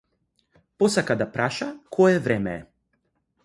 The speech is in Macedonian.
Посака да праша кое време е.